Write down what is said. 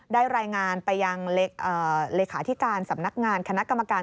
ได้รายงานไปยังเลขาธิการสำนักงานคณะกรรมการ